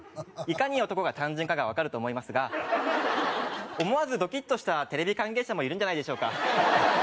いかに男が単純かが分かると思いますが思わずドキッとしたテレビ関係者もいるんじゃないでしょうか